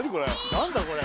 何だこれ？